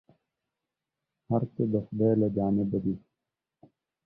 هر څه د خداى له جانبه دي ،